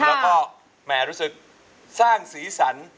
แล้วก็แหม่รู้สึกสร้างสีสัน